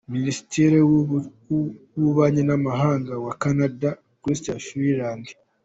Minisitiri w’Ububanyi n’Amahanga wa Canada, Chrystia Freeland